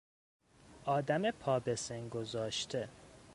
آدم پا به سن گذاشته